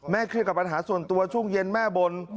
เครียดกับปัญหาส่วนตัวช่วงเย็นแม่บ่น